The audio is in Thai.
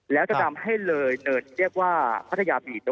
แล้วจะทำให้เลยเนินเรียกว่าพัทยาบีตัว